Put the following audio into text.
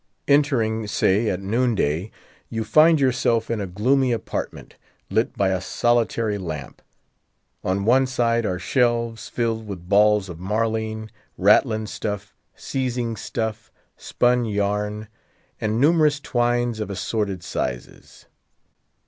Entering—say at noonday—you find yourself in a gloomy apartment, lit by a solitary lamp. On one side are shelves, filled with balls of marline, ratlin stuf, seizing stuff, spun yarn, and numerous twines of assorted sizes.